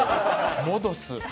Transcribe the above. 戻す？